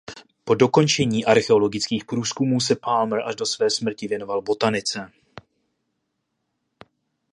Po dokončení archeologických průzkumů se Palmer až do své smrti věnoval botanice.